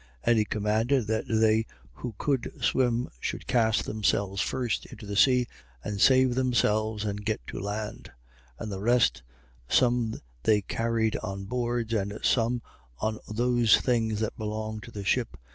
And he commanded that they who could swim should cast themselves first into the sea and save themselves and get to land. 27:44. And the rest, some they carried on boards and some on those things that belonged to the ship.